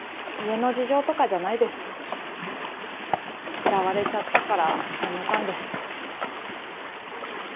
嫌われちゃったから辞めたんです。